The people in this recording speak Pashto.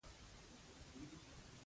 خورا ښه یې وهله.